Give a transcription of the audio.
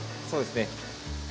そうですね。